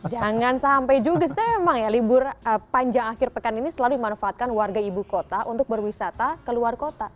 jangan sampai juga sih emang ya libur panjang akhir pekan ini selalu dimanfaatkan warga ibu kota untuk berwisata ke luar kota